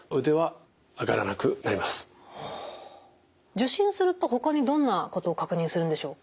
受診するとほかにどんなことを確認するんでしょうか？